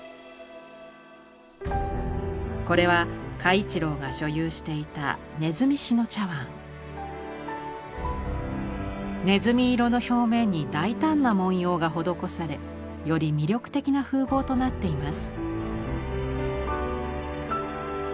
これは嘉一郎が所有していた鼠色の表面に大胆な文様が施されより魅力的な風貌となっています。